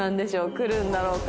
来るんだろうか？